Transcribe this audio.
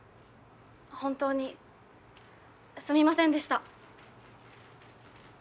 本当にすみませんでした。